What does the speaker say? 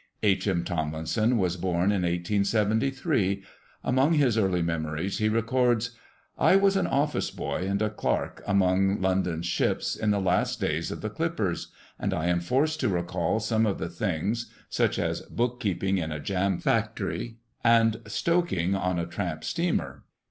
H. M. Tomlinson was born in 1873; among his early memories he records: "I was an office boy and a clerk among London's ships, in the last days of the clippers. And I am forced to recall some of the things such as bookkeeping in a jam factory and stoking on a tramp steamer."